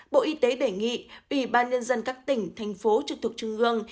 bộ y tế đề nghị ủy ban nhân dân các tỉnh thành phố trực thuộc trung ương